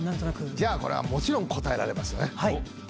じゃあこれはもちろん答えられますね。